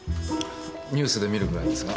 ニュースで見るぐらいですが。